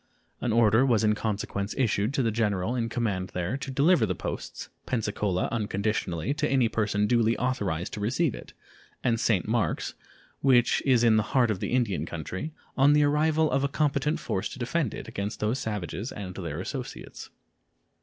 An order was in consequence issued to the general in command there to deliver the posts Pensacola unconditionally to any person duly authorized to receive it, and St. Marks, which is in the heart of the Indian country, on the arrival of a competent force to defend it against those savages and their associates.